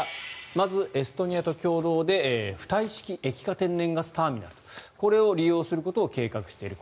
まず、エストニアと共同で浮体式液化天然ガスターミナルこれを利用することを計画している。